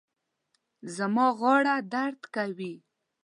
زما غاړه درد کوي